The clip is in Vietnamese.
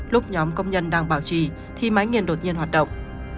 lúc nhóm công nhân đang bảo trì thì máy nghiền đột nhiên hoạt động